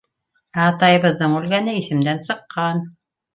Ә атайыбыҙҙың үлгәне иҫемдән сыҡҡан.